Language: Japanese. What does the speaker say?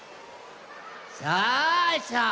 さあさあ